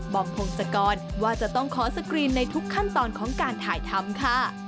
พงศกรว่าจะต้องขอสกรีนในทุกขั้นตอนของการถ่ายทำค่ะ